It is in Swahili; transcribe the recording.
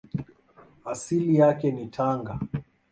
Asili yake ni Tanga.